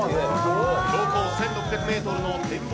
標高１６００メートルの展望